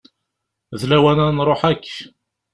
D lawan ad nruḥ akk.